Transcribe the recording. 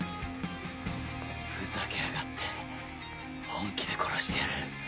ふざけやがって本気で殺してやる。